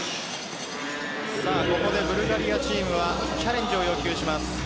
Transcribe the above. ここでブルガリアチームがチャレンジを要求します。